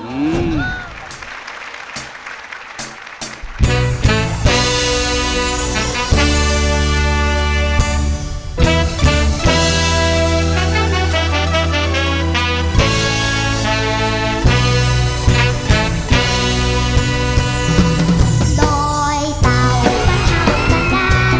อืม